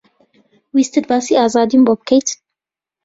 ویستت باسی ئازادیم بۆ بکەیت؟